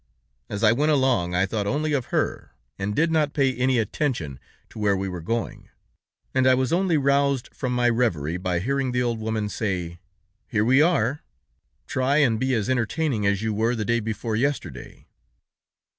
As I went along, I thought only of her, and did not pay any attention to where we were going, and I was only roused from my reverie by hearing the old woman say: 'Here we are. Try and be as entertaining as you were the day before yesterday.'